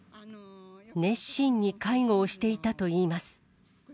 熱心に介護をしていたといいます。